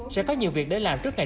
sẽ có nhiều việc để làm trước ngày